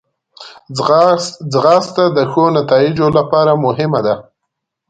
ځغاسته د ښو نتایجو لپاره مهمه ده